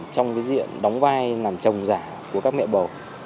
trong diện đóng vai làm chồng giả của các mẹ bầu